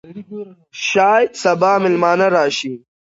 شاید سبا مېلمانه راشي.